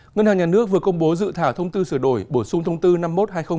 ngân hàng nhà nước vừa công bố dự thảo thông tư sửa đổi bổ sung thông tư năm mươi một hai nghìn một mươi ba